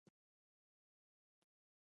اداري اصلاح اړتیا ده